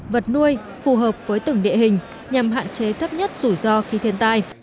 vật nuôi phù hợp với từng địa hình nhằm hạn chế thấp nhất rủi ro khi thiên tai